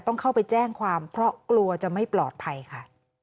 ต้องเข้าไปแจ้งความเพราะกลัวจะไม่ปลอดภัยค่ะ